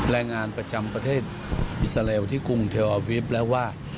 แรงงานประจำประเทศอิสเรลที่กรุงเทียวภาษาอาวิปและว่า